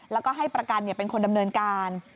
แล้วก็ให้ประกันเป็นคนดำเนินการ